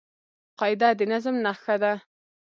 قاعده د نظم نخښه ده.